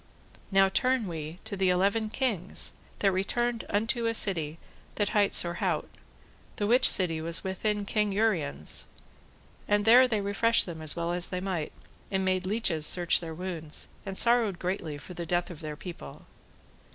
Now turn we to the eleven kings that returned unto a city that hight Sorhaute, the which city was within King Uriens', and there they refreshed them as well as they might, and made leeches search their wounds, and sorrowed greatly for the death of their people.